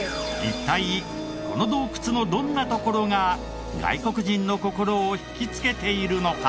一体この洞窟のどんなところが外国人の心を引きつけているのか？